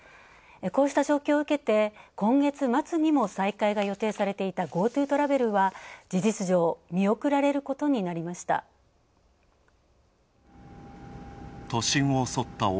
こうした状況を受けて、今月末にも再開が予定されていた「ＧｏＴｏトラベル」は事実上、見送られることになりました。